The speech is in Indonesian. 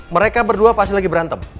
mereka berdua pasti lagi berantem